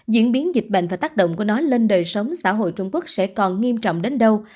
diễn biến dịch bệnh và tác động của nó lên đời sống xã hội trung quốc sẽ còn nghiêm trọng đến đâu